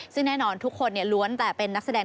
ซึ่งแน่นอนทุกคนล้วนแต่เป็นนักแสดง